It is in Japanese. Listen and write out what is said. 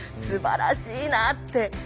すばらしいなって。